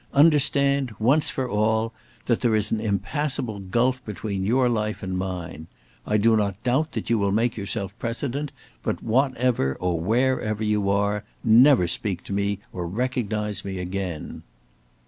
Understand, once for all, that there is an impassable gulf between your life and mine. I do not doubt that you will make yourself President, but whatever or wherever you are, never speak to me or recognize me again!"